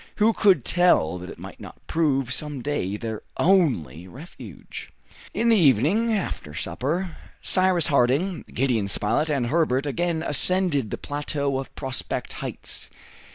Who could tell that it might not prove some day their only refuge? In the evening, after supper, Cyrus Harding, Gideon Spilett, and Herbert again ascended the plateau of Prospect Heights.